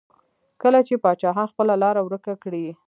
کله چې پاچاهان خپله لاره ورکه کړي.